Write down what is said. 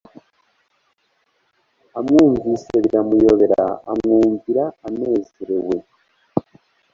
Amwumvise biramuyobera, amwumvira anezerewe."